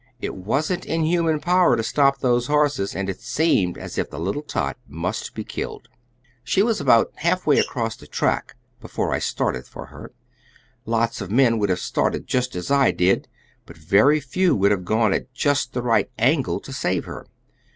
It wasn't in human power to stop those horses, and it seemed as if the little tot must be killed. "She was about half way across the track when I started for her. Lots of men would have started just as I did, but very few would have gone at just the right angle to save her.